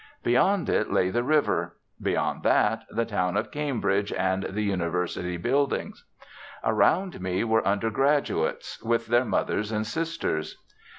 Beyond it lay the river; beyond that the town of Cambridge and the University buildings. Around me were undergraduates, with their mothers and sisters.